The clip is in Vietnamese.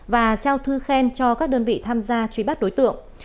và trao thư khen cho các đơn vị tham gia truy bắt đối tượng